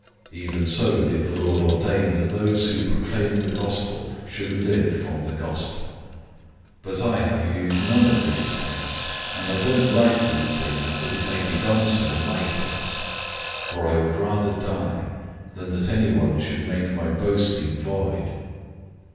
009:014 Even so the Lord ordained that those who proclaim the Good News should live from the Good News. 009:015 But I have used none of these things, and I don't write these things that it may be done so in my case; for I would rather die, than that anyone should make my boasting void.